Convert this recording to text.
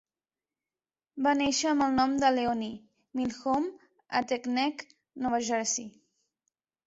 Va néixer amb el nom de Leonie Milhomme a Teaneck, Nova Jersey.